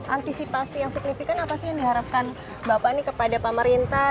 antisipasi yang signifikan apa sih yang diharapkan bapak nih kepada pemerintah